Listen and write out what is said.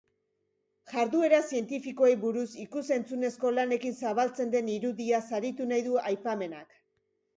Jarduera zientifikoei buruz ikus-entzunezko lanekin zabaltzen den irudia saritu nahi du aipamenak.